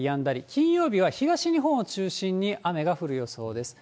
金曜日は東日本を中心に、雨が降る予想です。